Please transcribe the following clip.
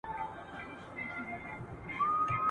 او د غم له ورځي تښتي که خپلوان که اشنایان دي ..